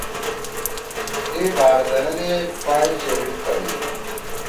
تی بھأردنیدے پائں چیریِٹ تھلی۔